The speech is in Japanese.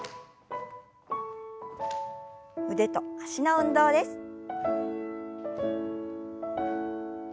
腕と脚の運動です。